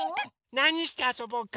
なにしてあそぼうか？